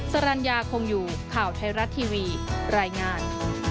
สรรญาคงอยู่ข่าวไทยรัฐทีวีรายงาน